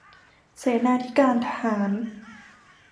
เสนาธิการทหาร